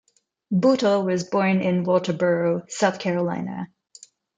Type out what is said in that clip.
Bootle was born in Walterboro, South Carolina.